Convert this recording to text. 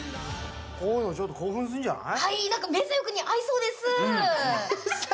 こういうの興奮するんじゃない？